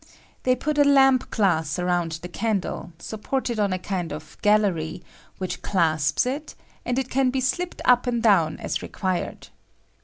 They put a lamp glass round the candle, supported on a kind of gallery, which clasps it, and it can be slipped up and down as required.